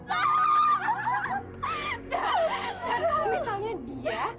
dan kalau misalnya dia